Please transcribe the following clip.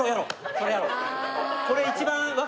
それやろう！